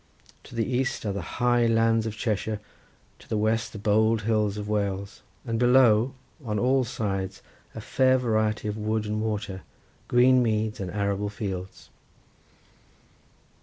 To the east are the high lands of Cheshire, to the west the bold hills of Wales, and below, on all sides a fair variety of wood and water, green meads and arable fields.